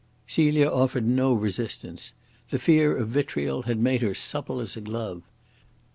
Celia offered no resistance. The fear of vitriol had made her supple as a glove.